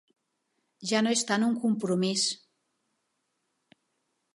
Ja no és tant un compromís.